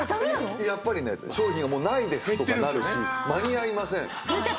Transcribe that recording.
やっぱりね商品がないですとかなるし間に合いません。